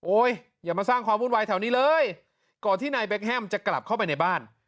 อย่ามาสร้างความวุ่นวายแถวนี้เลยก่อนที่นายเบคแฮมจะกลับเข้าไปในบ้าน